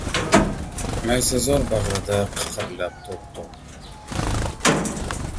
Maysazor bag‘rida qiqirlab to‘p-to‘p